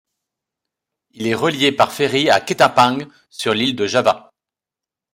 Il est relié par ferry à Ketapang, sur l'île de Java.